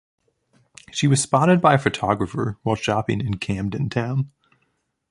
She was spotted by a photographer while shopping in Camden Town.